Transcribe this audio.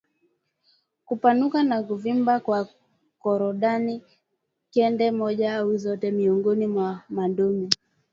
Kupanuka na kuvimba kwa korodani kende moja au zote miongoni mwa madume